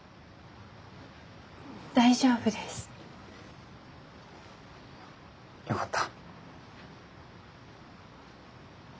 大丈夫です。よかった。